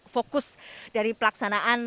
fokus dari pelaksanaan